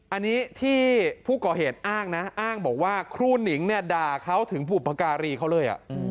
อันนี้ที่ผู้ก่อเหตุอ้างนะอ้างบอกว่าครูหนิงเนี่ยด่าเขาถึงบุพการีเขาเลย